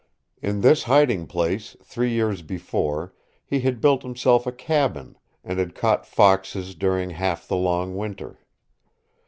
In this hiding place, three years before, he had built himself a cabin, and had caught foxes during half the long winter.